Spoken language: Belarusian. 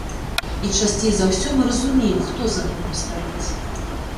І часцей за ўсё мы разумеем, хто за гэтым стаіць.